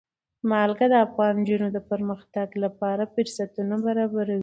نمک د افغان نجونو د پرمختګ لپاره فرصتونه برابروي.